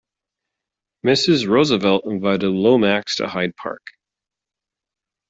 Mrs. Roosevelt invited Lomax to Hyde Park.